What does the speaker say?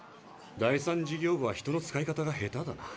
第３事業部は人の使い方が下手だな。